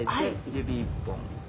指１本。